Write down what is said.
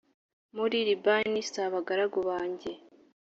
muri Libani s abagaragu banjye